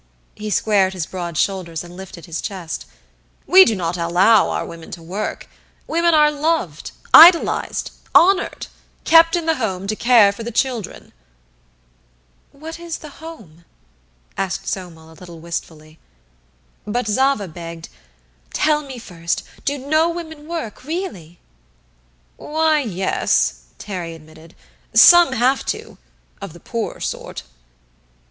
He squared his broad shoulders and lifted his chest. "We do not allow our women to work. Women are loved idolized honored kept in the home to care for the children." "What is 'the home'?" asked Somel a little wistfully. But Zava begged: "Tell me first, do no women work, really?" "Why, yes," Terry admitted. "Some have to, of the poorer sort."